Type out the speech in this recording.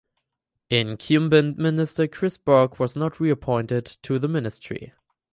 Incumbent minister Chris Bourke was not reappointed to the Ministry.